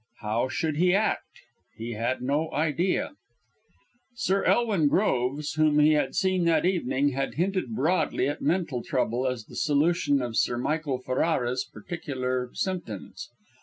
How should he act? He had no idea. Sir Elwin Groves, whom he had seen that evening, had hinted broadly at mental trouble as the solution of Sir Michael Ferrara's peculiar symptoms.